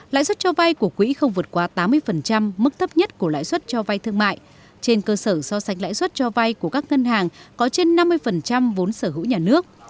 lãi suất cho vay của quỹ không vượt qua tám mươi mức thấp nhất của lãi suất cho vay thương mại trên cơ sở so sánh lãi suất cho vay của các ngân hàng có trên năm mươi vốn sở hữu nhà nước